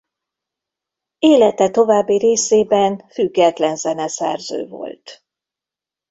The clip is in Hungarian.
Élete további részében független zeneszerző volt.